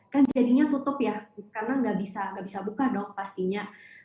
kan jadinya tutup ya karena nggak bisa buka dong pastinya